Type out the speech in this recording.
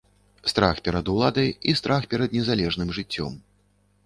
Страх перад уладай і страх перад незалежным жыццём.